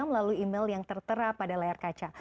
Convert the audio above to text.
melalui email yang tertera pada layar kaca